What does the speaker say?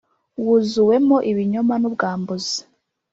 Wuzuwemo ibinyoma n’ubwambuzi